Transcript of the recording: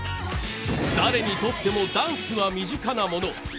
誰にとってもダンスは身近なもの。